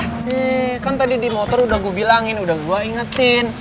hmm kan tadi di motor udah gue bilangin udah gue ingetin